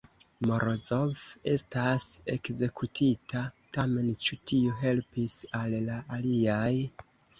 Morozov estas ekzekutita, tamen ĉu tio helpis al la aliaj?